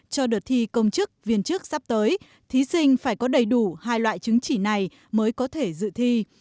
cho đợt thi công chức viên chức sắp tới thí sinh phải có đầy đủ hai loại chứng chỉ này mới có thể dự thi